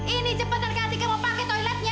ini cepetan katika mau pakai toiletnya